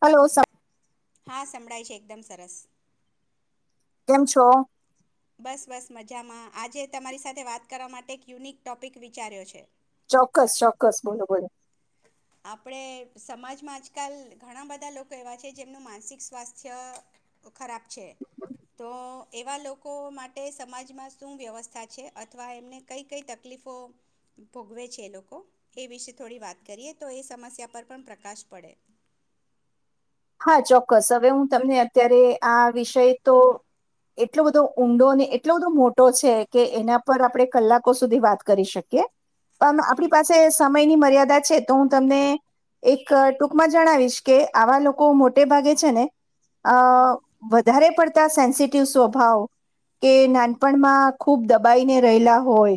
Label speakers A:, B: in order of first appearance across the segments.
A: Hello.
B: હા સંભળાય છે એકદમ સરસ.
A: કેમ છો.
B: બસ બસ મજામાં આજે તમારી સાથે વાત કરવા માટે એક યુનિક ટોપિક વિચાર્યો છે.
A: ચોક્કસ ચોક્કસ બોલો બોલો.
B: આપણે સમાજમાં આજકાલ ઘણા બધા લોકો એવા છે જેમનું માનસિક સ્વાસ્થ્ય ખરાબ છે તો એવા લોકો માટે સમાજમાં શું વ્યવસ્થા છે અથવા એમને કઈ કઈ તકલીફો ભોગવે છે એ લોકો એ વિશે થોડી વાત. કરીએ તો એ સમસ્યા પર પણ પ્રકાશ પડે.
A: હા ચોક્કસ હવે હું તમને અત્યારે આ વિષય તો એટલો બધો ઊંડો અને એટલો બધો મોટો છે કે એના પર આપણે કલાકો સુધી વાત કરી શકીએ. કામ થાય અને બ્લોક
B: હમ
A: કરી દો યી તો હિઝદો નહીં વાત છે તો હું તમને એક ટૂંકમાં જણાવીશ કે આવા લો કો મોટે ભાગે છે ને.
B: હમ
A: અ વધારે પડ. સેન્સિટિવ સ્વભાવ કે નાનપણમાં ખૂબ દબાઈને રહેલા હોય.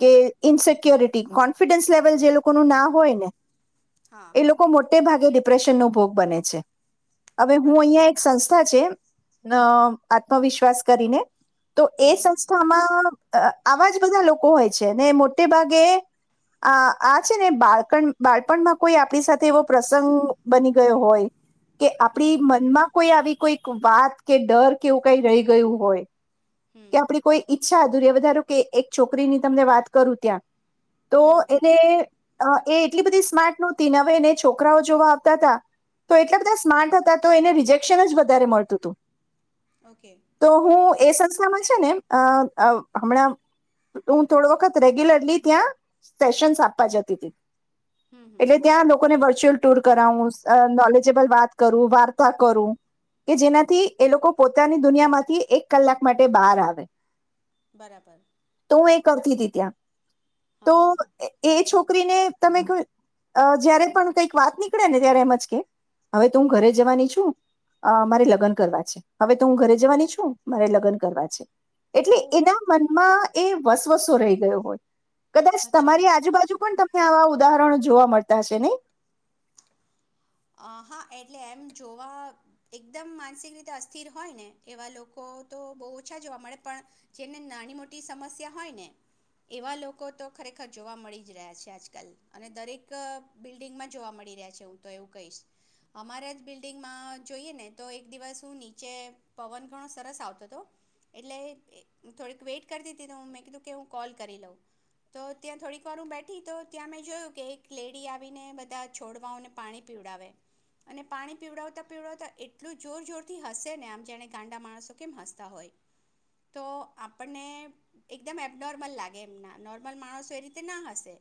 A: કે ઇસિક્ય્યોરિ ટી કોન્ફિડન્સ લેવલ જે લોકો નું ના હોય ને.
B: હા
A: એ લોકો મોટે ભાગ. ડિપ્રેશન નો ભોગ બને છે હવે હું
B: બરાબર
A: અહિયાં એક સંસ્થા છે ન આત્મવિશ્વાસ કરીને તો એ
B: હમ
A: સંસ્થામાં [inaudible] આવા જ બધા લોકો [unintelligible] હોય છે ને, મોટે ભાગે આ આ છે ને, બાળપણ બાળપણમાં કોઈ આપ સાથે એવો પ્રસંગ બની ગયો હોય કે આપડી
B: હમ
A: મન માં કોઈ આવી કોઈક વાત કે ડર, કેવું કઈ રહી ગયું હોય કે
B: હમ
A: આપણી [unintelligible] ઈચ્છાધુર્ય વધારો કે એક છોકરી ની તમને વાત કરું, ત્યાં તો
B: હમ
A: એને અ એટલી બધી સ્માર્ટ નહોતીને, હવે એને છોકરાઓ જોવા આવતા હતા તો એટલા બધા સ્માર્ટ હતા, તો એને રિજેક્શન જ વધારે મળતું હતું
B: ઓકે
A: તો હું એ સં તે માં છે ને, હમણાં હું થોડ વખત રેગ્યુલરલી ત્યાં સેશન્સ આપવા જતી હતી.
B: હમ હમ
A: એટલે ત્યાં લોકોને વર્ચ્યુઅલ ટુર કરાવુ, અ નોલેજેબલ વાત કરું, વાર્તા કરું કે જેનાથી એ લોકો પોતાની દુનિયા માંથી એક કલાક માટે બહાર આવે
B: બરાબર
A: તો હું એ કરતી હતી. ત્યા
B: હા
A: તો
B: હા
A: એ [inaudible] છોકરીને તમે જયારે પણ કઈક વાત નીકળે ને ત્યારે એમ કે, હવે તું ઘરે જવાની છું, મારે લગ્ન કરવા છે. હવે તું હું ઘરે જવાની છું, મારે લગ્ન કરવા છે. એટલે
B: ઓહ
A: એના મનમાં એ વસવસો રહી ગયો હોય. કદાચ
B: અચ્છા
A: તમારી આજુબાજુ પણ [inaudible] આવા ઉદાહરણો જોવા મળતા છે નહી
B: અહા! એટલે એમ જોવા એકદમ માનસિક રીતે અસ્થિર હોય ને એવા લોકો તો બહુ ઓછા જોવા મળે, પણ જેને નાની મોટી સમસ્યા હોય ને એવા લોકો તો ખરેખર જોવા મળી જ રહ્યા છે આજકાલ અને દરેક બિલ્ડિંગમાં જોવા મળી રહ્યા છે. હું તો એવું [unintelligible] અમારા જ બિલ્ડિંગમાં જોઈએ ને તો, એક દિવસ હું નીચે પવન ઘણો સરસ આવતો હતો એટલે થોડીક વેઇટ કરતી હતી, તો મેં કીધું કે, હું કોલ કરી લઉં. તો ત્યાં થોડીક વાર હું બેઠી, તો ત્યાં મેં જોયું કે એક લેડી આવીને બધા છોડવાઓને પાણી પીવડાવે અને પાણી પીવડાવતા પીવડાવતા એટલું જોર જોરથી હશે ને આમ, જાણે ગાંડા માણસો કેમ હસતા હોય? તો આપણને એકદમ એબનોર્મલ લાગે. એમના નોર્મલ માણસો એ રીતે ના હસે,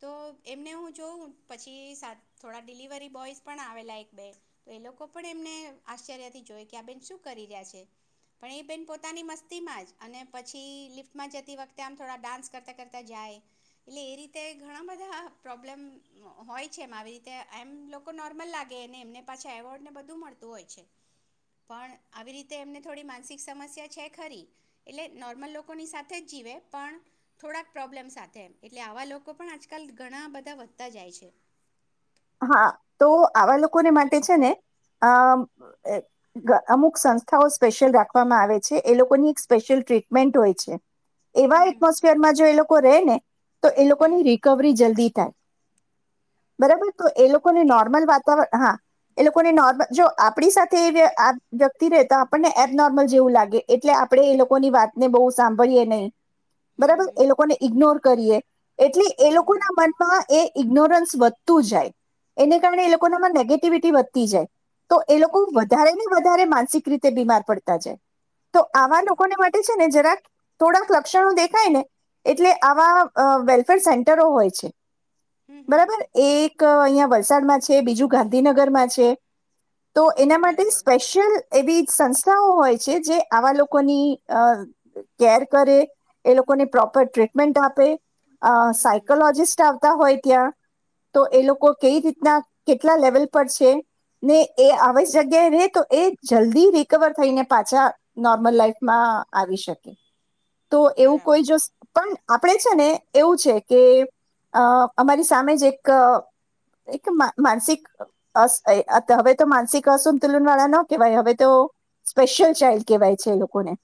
B: તો એમને હું જોઉં પછી થોડા ડિલિવરી બોયસ પણ આવેલા એક, બેન તો એ લોકો પણ એમને આશ્ચર્યથી જોય કે, આ બેન શું કરી રહ્યા છે? પણ એ બેન પોતાની મસ્તીમાં જ, અને પછી લિફ્ટમાં જતી વખતે આમ થોડા ડાન્સ કરતાં કરતાં જાય. એટલે એ રીતે ઘણા બધા પ્રોબ્લેમ હોય છે એમ આવી રીતે એમ લોકો નોર્મલ લાગે ને એમને પાછા એવોર્ડ ને બધું મળતું હોય છે, પણ આવી રીતે એમને થોડી માનસિક સમસ્યા છે ખરી. એટલે નોર્મલ લોકોની સાથે જ જીવે પણ થોડાક પ્રોબ્લેમ સાથે એમ, એટલે આવા લોકો પણ આજકાલ ઘણા બધા વધતા જાય છે
A: હા, તો આવા લોકોને માટે છે ને, અ અમુક સંસ્થાઓ સ્પેશિયલ રાખવામાં આવે છે. એ લોકોની એક સ્પેશિયલ ટ્રીટમેન્ટ હોય છે. એવા
B: હમ હમ
A: એટમોસફિયરમાં જો એ લોકો રહે ને તો એ
B: હમ
A: લોકોની રિકવરી જલ્દી થાય બરાબર તો એ લોકોને
B: એ
A: નોર્મલ વાતાવરણ હા એ લોકોને નોર્મલ જો આપણી સાથે એ અ વ્યક્તિ રહે તો આપણને એબ નર્મલ જેવું લાગે. એટલે આપણે એ લોકોની વાતને બહુ સાંભળીએ નહીં
B: હમ
A: બરાબર
B: હમ
A: એ લોકોને ઇગનોર કરીએ. એટલે એ
B: હમ
A: લોકો
B: હમ
A: ના મનમાં એ ઇગ્નોરન્સ વધતું જાય. એને કારણે એ લોકો
B: ઓ-
A: નામાં નેગેટિવિટી વધતી જાય. તો એ લોકો
B: ઓકે
A: વધારે ને વધારે માન માસિક રીતે બીમાર પડતા જાય. તો આવા
B: અચ્છા
A: લોકોને માટે છે. ને જરાક થોડાક લક્ષણો દેખાય ને એટલે આવા અ વેલફેર સેન્ટરો હોય છે.
B: હમ હમ
A: બરાબર એક એક અહિયાં વલસાડમાં છે. બીજું ગાંધીનગરમાં છે. તો એના માટે
B: બરાબર
A: સ્પેશિયલ એવી સંસ્થાઓ હોય છે. જે આવા લોકોની અ કેર કરે એ લોકોને પ્રોપર ટ્રીટમેન્ટ આપે અ
B: હમ હમ
A: સાયકોલોજીિસ્ટ આવતા હોય. ક્યાં? તો એ લોકો કેઈ રીતના કેટલા લેવલ પર છે. ને એ આવી જગ્યાએ રહે, તો એ જલ્દી રિકવર થઈને પાછા નોર્મલ લાઈફમાં આવી શકે. તો એવું કોઈ
B: બરાબર
A: જો સ પણ આપણે છે, ને એવું છે, કે અ અમારી સામે જ એક ક એક માનસિક અ અ હવે તો માનસિક અસંતુલન વાળા ન કહેવાય. હવે તો સ્પેશિયલ ચાઇલ્ડ કેહેવાય છે. એ લોકોને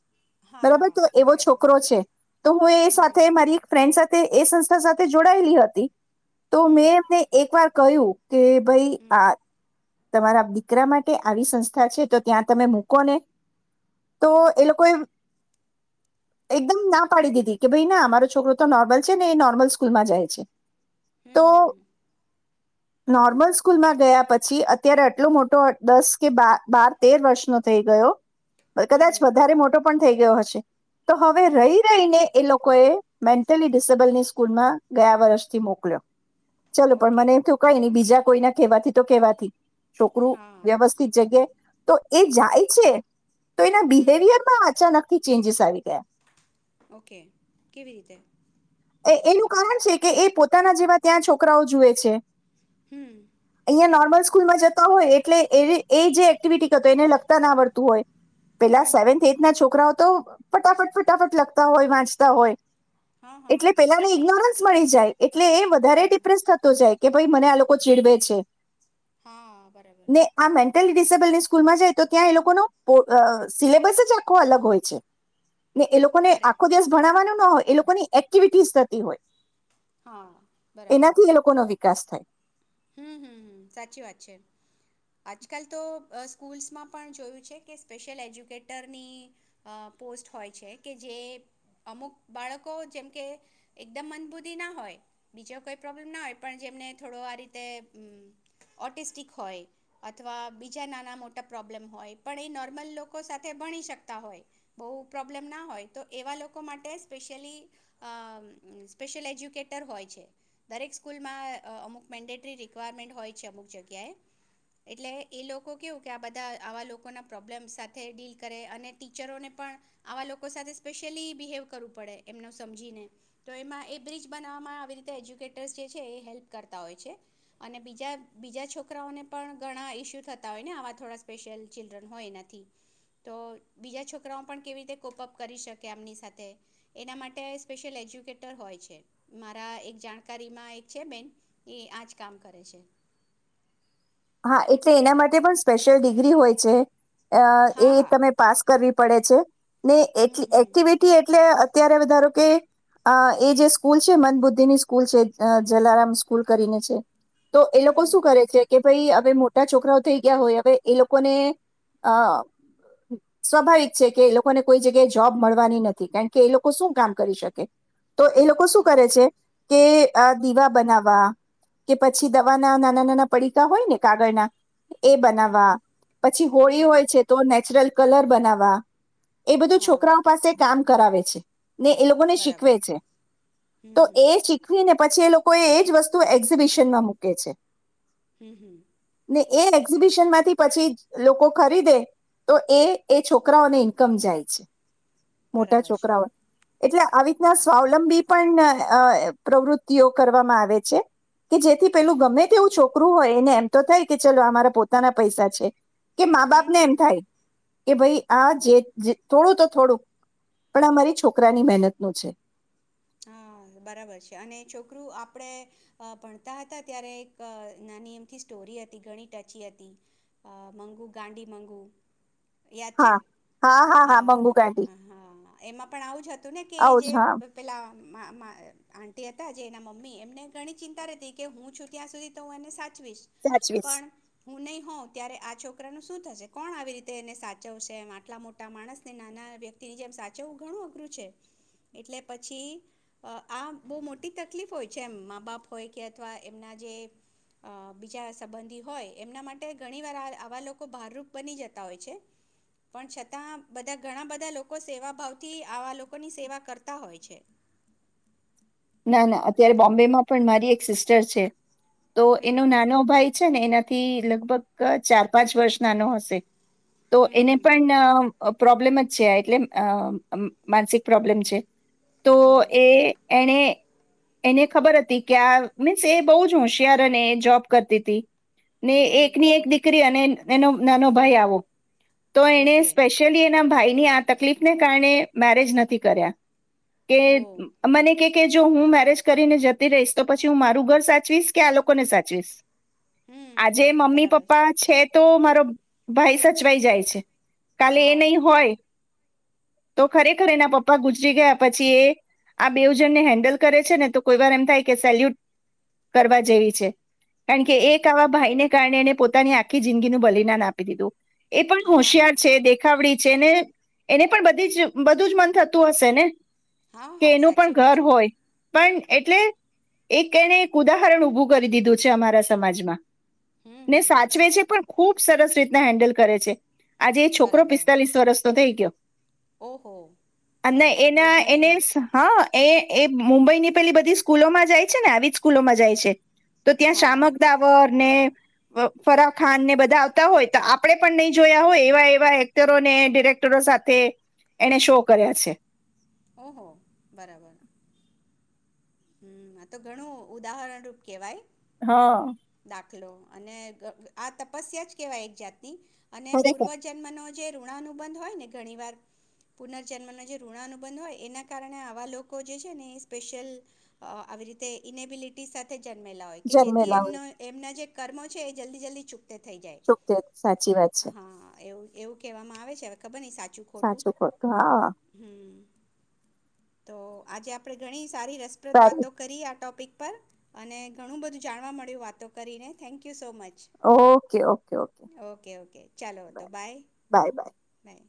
B: હા
A: બરોબર
B: હા
A: તો એવો
B: બરાબર
A: છોકરો છે. તો હું એ
B: હમ
A: સાથે
B: હમ
A: મારી એક ફ્રેન્ડ સાથે એ સંસ્થા સાથે જોડાયેલી હતી. તો મેં
B: હમ
A: એમને એક વાર કયું? કે ભઈ
B: હમ
A: આ તમારા દીકરા માટે આવી સંસ્થા છે. તો ત્યાં તમે મૂકો ને, તો એ લોકોએ એકદમ ના પાડી દીધી કે ભાઈ ના અમારો છોકરો તો નોર્મલ છે. ને એ નોર્મલ સ્કૂલમાં જાય છે.
B: હમ,
A: તો
B: હમ, હમ
A: નોર્મલ સ્કૂલમાં ગયા પછી અત્યારે આટલો મોટો દસ કે બાર બા તેર વર્ષનો થઈ ગયો. કદાચ
B: હમ
A: વધારે મોટો પણ થઈ ગયો હશે. [inaudible] તો હવે
B: હમ
A: રહી, રહીને એ લોકો કોએ મેન્ટલી ડિસેબલની સ્કૂલમાં ગયા વર્ષથી મોકલ્યો. ચાલો પણ
B: ઓકે
A: મને એમ તો કઈ નઈ બીજા કોઈના કેવાથી તો કેવાથી છોકરું
B: હા
A: વ્યવસ્થિત જગ્યા તો એ જાય છે. તો એના
B: હમ
A: બિહેવિયર માં અચાનક ચેન્જસ આવી ગયા.
B: ઓકે કેવી રીતે.
A: એ એનું કારણ છે કે એ પોતાના જેવા ત્યાં છોકરાઓ જુએ છે.
B: હમ
A: અહીયા નોર્મલ. સ્કૂલમાં જતા હોય એટલે એ જે એક્ટિવિટીતો એને લગતા ના વડતું હોય. પેલા
B: હમ
A: સેવન્થ એથ ના છોકરાઓ તો. ફટાફટ ફટાફટ લખતા હોય વાંચતા હોય.
B: હા હા
A: એટલે પેલા ઇગ્નોરન્સ. મળી જાય. એટલે એ વધારે
B: બરાબર
A: ડિપ્રેસ થતો જાય. કે ભાઈ મને આ લોકો ચીડવે છે.
B: હા બરાબર
A: ને આ મેટ ડશેબલની સ્કૂલ માં જાય તો ત્યાં એ લોકોનો સિલેબસ જ આખો અલગ હોય છે. ને એ લોકોને
B: કરેક્ટ
A: આખો દિવસ ભણાવવાનુ ન હોય એ લોકોનીને. એક્ટિવિટીસ થતી હોય.
B: હા બરાબર.
A: એનાથી એ લોકોનો વિકાસ થાય.
B: હમ હમ હમ સાચી વાત છે આજકાલ તો સ્કૂલ્સમાં પણ જોયું છે કે સ્પેશિયલ એજ્યુકેટરની પોસ્ટ હોય છે કે જે અમુક બાળકો જેમકે એકદમ મનબૂદી ના હોય બીજો કોઈ પ્રોબ્લેમ ના હોય પણ જેમને થોડો આ રીતે. તે ઓટિસ્ટિક હોય અથવા બીજા નાના મોટા પ્રોબ્લેમ હોય પણ એ નોર્મલ લોકો સાથે ભણી શકતા હોય બહુ પ્રોબ્લેમ ના હોય તો એવા લોકો માટે સ્પેશિયલી સ્પેશિયલ એજ્યુકેટર હોય છે દરેક સ્કૂલમાં અમુક. મેન્ડેટરી રિક્વાયરમેન્ટ હોય છે અમુક જગ્યાએ એટલે એ લોકો કેવું કે આ બધા આવા લોકોના પ્રોબ્લેમ્સ સાથે ડીલ કરે અને ટીચરોને પણ આવા લોકો સાથે સ્પેશિયલી બિહેવ કરવું પડે એમનો સમજીને તો એમાં એ બ્રિજ બનાવવામાં આવી રીતે એજ્યુકેટર્સ જે છે એ હેલ્પ કરતા. બીજા છોકરા ઘણા ઈસ્યુતા હોય આ થો સ્લ ચિલ્ડ્રન હોય નથી તો બીજા છોકરાઓ પણ કેવી રીતે કોપઅપ કરી શકેમની સાથે એના માટે સ્લ એજ્યુકેટર હોય છે મારા એક જાણકારી છે બે. એ આ જ કામ કરે છે.
A: હા એટલે એના માટે પણ સ્પેશિયલ ડિગ્રી હોય છે. અ એ
B: હા હા
A: તમે પાસ કરવી. પડે છે. ને
B: હમ
A: એટલી
B: હમ
A: એક્ટિવિટી એટલે. અત્યારે વધારો કે એ જે સ્કૂલ છે મન બુદ્ધિ ની સ્કૂલ છે જલારામ સ્કૂલ કરીને છે. તો એ લોકો
B: હમ
A: શું કરે છે કે. ભાઈ હવે મોટા છોકરાઓ થઈ ગયા હોય હવે એ લોકોને અ સ્વાભાવિક છે કે એ લોકોને કોઈ જગ્યાએ જોબ મળવાની નથી કારણ કે એ લોકો શું કામ કરી શકે. તો એ લોકો શું
B: હા
A: કરે છે. કે દીવા બનાવવા કે પછી દવા ના નાના નાના પડી. કા હોય ને કાગળ ના. એ
B: હમ
A: બનાવવા પછી હોળી
B: હમ
A: હોય છે તો નેચરલ. કલર બનાવા એ બધું
B: હા
A: છોકરાઓ પાસે કામ કરાવે છે ને એ લોકોને શીખવે
B: બરાબર
A: છે
B: હમ
A: તો
B: હમ
A: એ શીખવીને પછી એ લોકો એ જ વસ્તુ એક્ઝિબિશનમાં મૂકે છે.
B: હમ હમ.
A: ને એ એક્ઝિબિશન માંથી પછી લોકો ખરીદે તો એ એ છોકરાઓને ઈનકમ જાય છે. મોટા
B: બરાબર છે
A: છોકરાઓ એટલે આવી રીતના
B: હા
A: સ્વાવલંબી પણ અ પ્રવૃતીયો કરવામાં આવે છે કે જેથી પેલું ગમે તેવુ છો છોકરું હોય એને એમ તો થાય કે ચલો આ મારા પોતાના પૈસા છે. કે મા
B: હમ
A: બાપને એમ
B: હમ
A: થાય કે ભાઈ આ જે જે થોડું તો થોડુંક પણ અમારી છોકરાની મહેનત નુ છે.
B: હા બરાબર છે અને છોકરું આપણે ભણતા હતા ત્યારે એક નાની એમથી સ્ટોરી હતી ઘણી ટચી હતી મગુ ગાંડી મગુ યાદ છે હા હા એમાં પણ આવું જ હતું ને કે
A: આવો
B: જે
A: જ હા
B: આંટી હતા જે એના મમ્મી એમને ઘણી ચિંતા રતી કે હું છું ત્યાં સુધી તો એને સાત
A: સાચવીશ
B: પણ હું નહી હો ત્યારે આ શું થશે કોણ આવી રીતે એને સાચવશે આટલા મોટા માણસ ને નાના વ્યક્તિની જેમ સાચવવું ઘણું અઘરું છે એટલે પછી આ બહુ મોટી તકલીફ હોય છે એમ મા બાપ હોય કે અથવા એમના જે અ બીજા સંબંધી હોય એમના માટે ઘણી વાર આવા લોકો ભારરૂપ બની જતા હોય છે પણ છતાં બધા ઘણા બધા લોકો સેવાભાવથી આવા લોકોની સેવા કરતા હોય છે.
A: ના ના અત્યારે બોમ્બેમાં પણ મારી એક સિસ્ટર છે. તો
B: હમ
A: એનો નાનો ભાઈ છે ને એનાથી લગભગ ચાર પાંચ વર્ષ નાનો હશે. તો
B: હમ
A: એને
B: હમ
A: પણ પ્રોબ્લેમ જ છે એટલે અ અ માનસિક પ્રોબ્લેમ છે. તો
B: હમ
A: એ એને એને ખબર હતી કે આ મીન્સ એ બહુ જ હોશિયાર અને જોબ કરતી હતી. ને એકની
B: હમ
A: એક દીકરી અને એનો નાનો ભાઈ આવો તો એને
B: ઓકે
A: સ્પેશિયલી એના ભાઈ ની આ તકલીફને કારણે મેરેજ નથી કર્યા. કે
B: ઓ
A: મને કે કે જો હું મેરેજ કરીને જતી રહીશ તો પછી હું મારું ઘર સાચવીશ કે આ લોકોને સાચવીશ.
B: હમ હમ
A: આજે મમ્મી
B: બરાબર
A: પપ્પા છે તો મારો ભાઈ સાથ [unintelligible] જાય છે કાલે એ
B: હા
A: નય હોય તો ખરેખર એના પપ્પા ગુજરી ગયા પછી એ આ બેઉ જને હેન્ડલ કરે છે ને તો કોઈ વાર એમ થાય કે સેલ્યુટ કરવા જેવી છે કારણ કે એક આવા ભાઈને કારણે એને પોતાની આખી જિંદગીનું બલિદાન આપી દીધું. એ પણ
B: હા
A: હોશિયાર
B: હા
A: છે દેખાવડી છે. ને એને પણ બધી જ બધું જ મન થતું હશે ને.
B: હા
A: કે
B: હા
A: એનું
B: સા
A: પણ ઘર હોય પણ એટલે એક એને એક ઉદાહરણ ઊભું કરી દીધું છે અમારા સમાજમાં.
B: હમ
A: ને
B: હમ હમ
A: સાચવે છે પણ ખૂબ સરસ રીતના હેન્ડલ કરે છે. આજે એ છોકરો
B: બરાબર
A: પિસ્તાલીસ વર્ષ તો થઈ ગયો.
B: ઓહો
A: અને
B: બરાબર બો
A: એના એને
B: ઘણી
A: સ- હા એ એ મુંબઈ ની પેલી બધી સ્કૂલોમાં જાય છે ને આવી જ સ્કૂલોમાં જાય છે. તો ત્યાં
B: હા હા
A: શામક દાવર ને ફરાહ ખાન ને બધા આવતા હોય તો આપડણે પણ નહી જોયા હોય એવા એવા એક્ટરોને ડિરેક્ટરો સાથે એને શો કર્યા છે.
B: ઓહો બરાબર આ તો ઘણું ઉદાહરણરૂપ કેવાય
A: હા
B: અને આ તપસ્યા જ કેવાય એક જાત ની અને પૂર્વ
A: ખરેખર
B: જન્મનો જે ઋણાનુબંધ હોય ને ઘણી વાર પુનર્જન્મનો જે ઋણ અનુબંધ હોય એના કારણે આવા લોકો જે છે ને સ્પેશિલ અસઆવી રીતે ઇનેબિલિટી સાથે જન્મેલા હોય કે જેથી
A: જન્મેલા
B: એમનો
A: હોય
B: એમના જે કર્મો છે એ જલ્દી જલ્દી ચુક
A: તોકે સાચી વાત છે.
B: હા એવું એવું કહેવામાં આવે છે હવે ખબર નઈ સાચી
A: સાચું ખોટુ હા
B: તો આજે આપડે ઘણી સારી
A: સારી
B: વાતો કરી આ ટોપિક પર અને ઘણું બધું જાણવા મળ્યું વાતો કરીને thank you so much.
A: Okay okay
B: okay okay ચાલો તો બાય
A: બાય. બાય.
B: બાય.